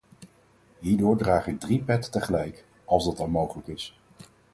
Hierdoor draag ik drie petten tegelijk, als dat al mogelijk is.